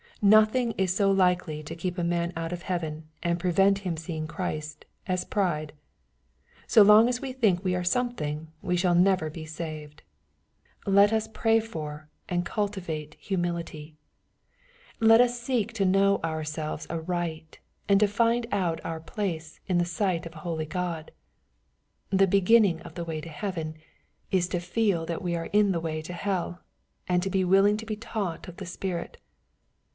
Nothing is so likely to keep a man out of heaven, and prevent him seeing Christ, as pride. So long as we think we are something we shall never be saved. Let us pray for and cultivate humility. MATTHEW, CHAP. X. 117 Let 118 seek to mow ourselves aright, and to find out our place in tlie sight of a holy God. The beginning of the way to heaven, is to feel that we are in the way to hell, and to be willing to be taught of the Spirit.